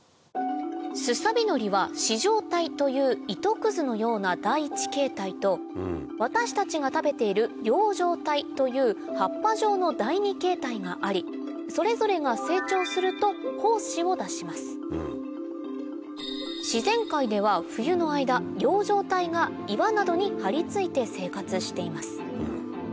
スサビノリは糸状体という糸くずのような第１形態と私たちが食べている葉状体という葉っぱ状の第２形態がありそれぞれが成長すると胞子を出します自然界では冬の間葉状体が岩などに張り付いて生活しています